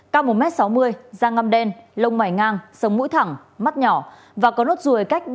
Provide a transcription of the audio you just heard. cao một m sáu mươi da ngâm đen lông mải ngang sống mũi thẳng mắt nhỏ và có nốt ruồi cách